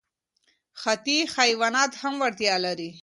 حتی حیوانات هم وړتیا لري.